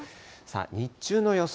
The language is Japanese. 日中の予想